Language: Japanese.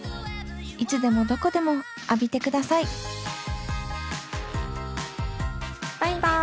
いつでもどこでも浴びてくださいバイバイ。